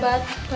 lupa lupa lupa